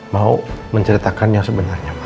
mau menceritakan yang sebenarnya